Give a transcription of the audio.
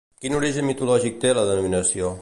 Quin origen mitològic té la denominació?